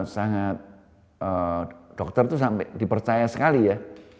sangat dokter itu sampai dipercaya sekali ya